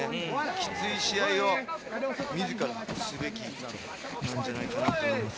きつい試合を自らすべきなんじゃないかなと思います。